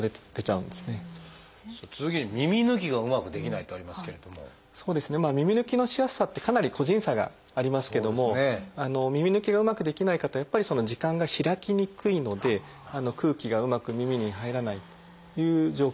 そうですね耳抜きのしやすさってかなり個人差がありますけども耳抜きがうまくできない方はやっぱり耳管が開きにくいので空気がうまく耳に入らないという状況ですね。